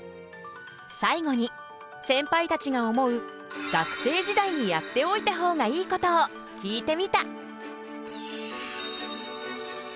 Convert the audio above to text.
最後にセンパイたちが思う学生時代にやっておいた方がいいことを聞いてみた。